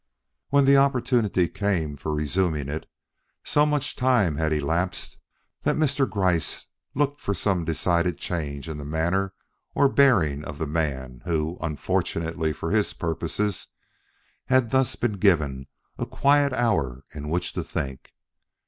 When the opportunity came for resuming it, so much time had elapsed that Mr. Gryce looked for some decided change in the manner or bearing of the man who, unfortunately for his purposes, had thus been given a quiet hour in which to think.